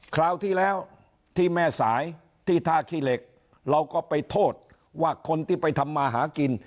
คราวที่แล้วที่แม่สายที่ท่าขี้เหล็กเราก็ไปโทษว่าคนที่ไปทำมาหากิน